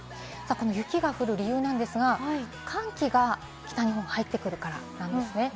雪が降る理由ですが、寒気が北日本が入ってくるなんです。